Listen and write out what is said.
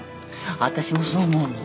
私もそう思うの。